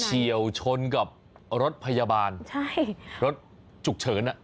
เชียวชนกับรถพยาบาลรถจุกเฉิน